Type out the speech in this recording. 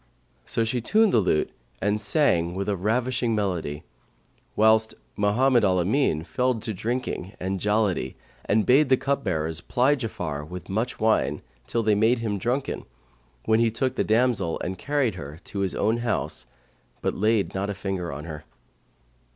So she tuned the lute and sang with a ravishing melody; whilst Mohammed al Amin fell to drinking and jollity and bade the cupbearers ply Ja'afar with much wine, till they made him drunken, when he took the damsel and carried her to his own house, but laid not a finger on her.